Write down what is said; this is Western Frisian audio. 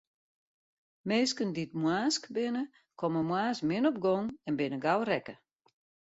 Minsken dy't moarnsk binne, komme moarns min op gong en binne gau rekke.